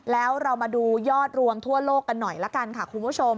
แล้วเรามาดูยอดรวมทั่วโลกกันหน่อยละกันค่ะคุณผู้ชม